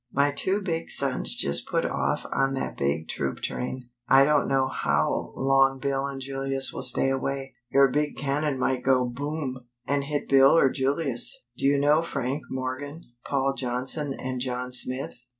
My two big sons just put off on that big troop train. I don't know how long Bill and Julius will stay away. Your big cannon might go Boom! and hit Bill or Julius. Do you know Frank Morgan, Paul Johnson and John Smith?